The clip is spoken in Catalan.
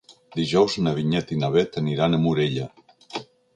Dijous na Vinyet i na Bet aniran a Morella.